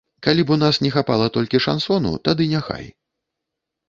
Калі б у нас не хапала толькі шансону, тады няхай.